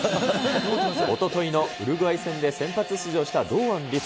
おとといのウルグアイ戦で先発出場した堂安律。